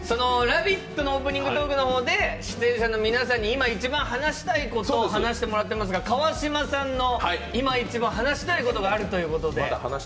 「ラヴィット！」のオープニングトークの方で出演者の皆さんに今一番話したいことを話してもらっていますが川島さんの今、一番話したいことがあるということで。